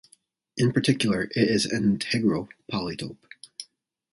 In particular it is an integral polytope.